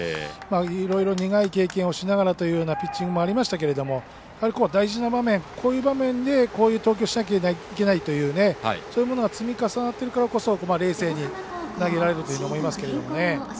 いろいろ苦い経験をしながらというようなピッチングというのもありましたけど大事な場面、こういう場面でこういう投球しなきゃいけないというそういうものが積み重なってるからこそ冷静に投げられるというふうに思いますけどね。